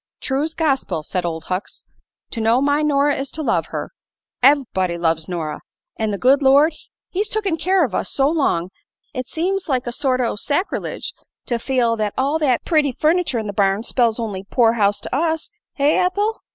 "True's gospil," said Old Hucks. "To know my Nora is to love her. Ev'body loves Nora. An' the good Lord He's took'n care o' us so long, it seems like a sort o' sacrelidge to feel that all thet pretty furn'ture in the barn spells on'y poor house to us. Eh, Ethel?"